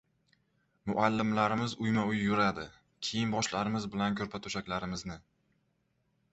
Muallimlarimiz uyma-uy yuradi. Kiyim-boshlarimiz bilan ko‘rpa-to‘shaklarimizni